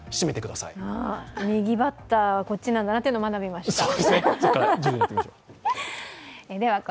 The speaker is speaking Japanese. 右バッター、こっちだというのを学びました。